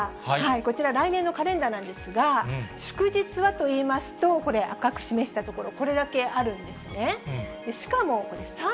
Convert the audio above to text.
こちら、来年のカレンダーなんですが、祝日はといいますと、これ、赤く示したところ、これだけあるんですね。